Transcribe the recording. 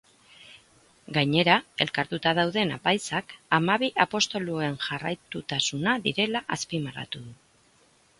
Gainera, elkartuta dauden apaizak hamabi apostoluen jarraitutasuna direla azpimarratu du.